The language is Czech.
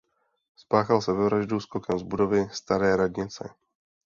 Spáchal sebevraždu skokem z budovy Staré radnice.